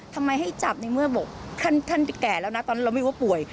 ทำไมให้จับในเมื่อบอกท่านแก่แล้วนะตอนนั้นเราไม่รู้ว่าป่วย